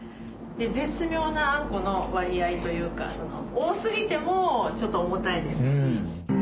絶妙なあんこの割合というか多過ぎてもちょっと重たいですし。